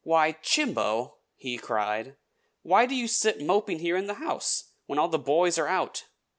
"Why, Chimbo!" he cried. "Why do you sit moping here in the house, when all the boys are out?